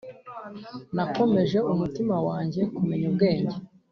Nakomeje umutima wanjye kumenya ubwenge